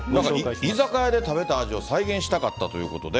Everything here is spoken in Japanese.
居酒屋で食べた味を再現したかったということで。